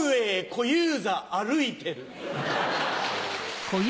小遊三歩いてる。